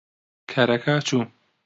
کەرەکە چوو.